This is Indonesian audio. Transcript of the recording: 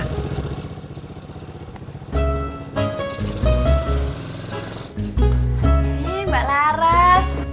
hai mbak laras